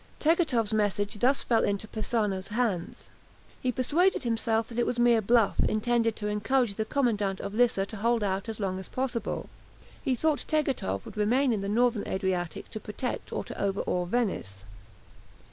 Tegethoff's message thus fell into Persano's hands. He persuaded himself that it was mere bluff, intended to encourage the commandant of Lissa to hold out as long as possible. He thought Tegethoff would remain in the Northern Adriatic to protect or to overawe Venice.